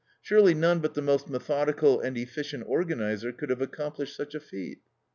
Surely none but the most methodical and efficient organizer could have accomplished such a feat.